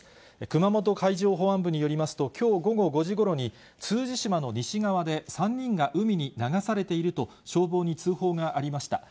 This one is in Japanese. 熊本海上保安部によりますと、きょう午後５時ごろに、通詞島の西側で、３人が海に流されていると、消防に通報がありました。